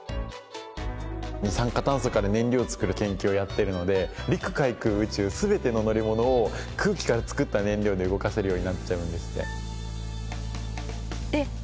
二酸化炭素から燃料を作る研究をやっているので陸海空宇宙全ての乗り物を空気から作った燃料で動かせるようになっちゃうんですね。